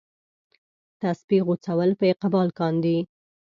تسپې غوڅول په اقبال کاندي.